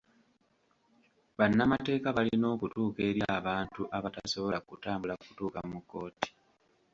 Bannamateeka balina okutuuka eri abantu abatasobola kutambula kutuuka mu kkooti.